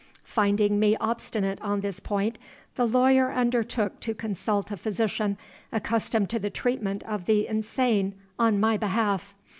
"Finding me obstinate on this point, the lawyer undertook to consult a physician accustomed to the treatment of the insane, on my behalf.